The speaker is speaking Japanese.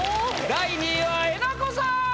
第２位はえなこさん！